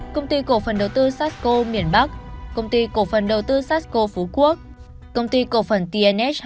công ty cổ phần đầu tư sarscoe miền bắc công ty cổ phần đầu tư sarscoe phú quốc